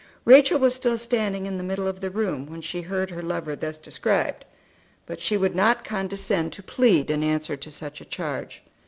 Rachel was still standing in the middle of the room when she heard her lover thus described; but she would not condescend to plead in answer to such a charge.